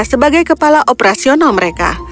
sebagai kepala operasional mereka